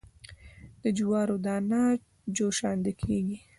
د جوارو دانه جوشانده کیږي.